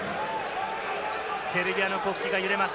セルビアの国旗が揺れます。